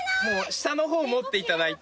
下の方持っていただいて。